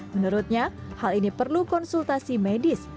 menurutnya hal ini perlu konsultasi medis